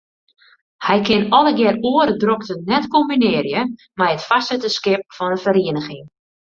Hij kin allegear oare drokten net kombinearje mei it foarsitterskip fan 'e feriening.